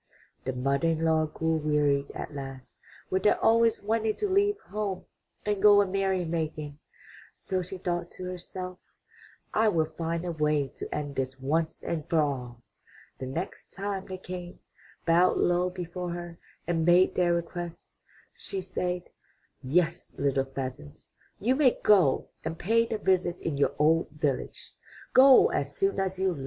The mother in law grew wearied at last with their always wanting to leave home and go a merry making, so she thought to herself, ''I will find a way to end this once and for all." The next time they came, bowed low before her, and made their request, she said: *'Yes, little pheasants, you may go and pay the visit in your old village. Go as soon as you like.